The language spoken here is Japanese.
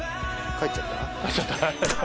帰っちゃった？